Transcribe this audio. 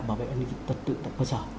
bảo vệ nhân dịch tật tự tại cơ sở